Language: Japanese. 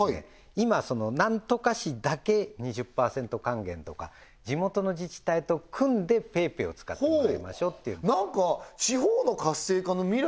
今「何とか市だけ２０％還元」とか地元の自治体と組んでＰａｙＰａｙを使ってもらいましょうって地方の活性化の未来